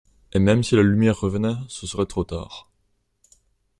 Et même si la lumière revenait, ce serait trop tard.